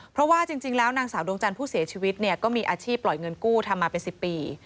เพราะว่าจริงแล้วนางสาวดวงจันทร์ผู้เสียชีวิตเนี่ยก็มีอาชีพปล่อยเงินกู้ทำมาเป็น๑๐ปี